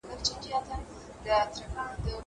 زه پرون زدکړه وکړه!